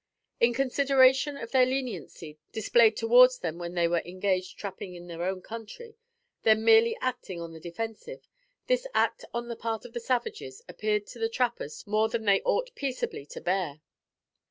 In consideration of their leniency displayed towards them when they were engaged trapping in their own country, then merely acting on the defensive, this act on the part of the savages appeared to the trappers to be more than they ought peaceably to bear.